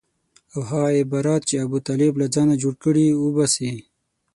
او هغه عبارات چې ابوطالب له ځانه جوړ کړي وباسي.